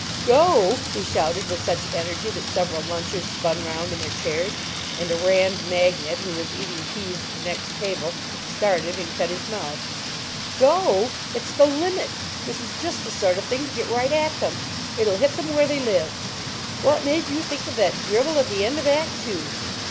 "Go?" he shouted, with such energy that several lunchers spun round in their chairs, and a Rand magnate, who was eating peas at the next table, started and cut his mouth. "Go? It's the limit! This is just the sort of thing to get right at them. It'll hit them where they live. What made you think of that drivel at the end of Act Two?"